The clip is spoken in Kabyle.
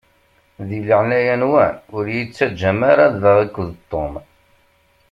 Di leɛnaya-nwen ur yi-ttaǧǧam ara da akked Tom.